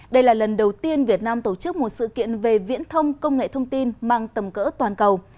đây là lần đầu tiên việt nam tổ chức một sự kiện về viễn thông công nghệ thông tin mang tầm cỡ toàn cầu